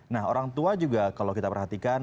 nah orang tua juga kalau kita perhatikan